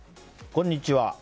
こんにちは。